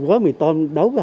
của mọi người